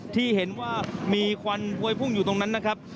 ที่เห็นว่ามีควันพวยพุ่งอยู่ตรงนั้นนะครับ